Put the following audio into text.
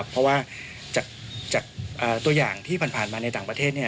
เพราะว่าจากตัวอย่างที่ผ่านมาในต่างประเทศ